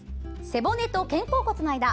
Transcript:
背骨と肩甲骨の間。